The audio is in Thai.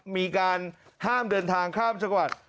มีการห้ามเดินทางข้ามจังหวัด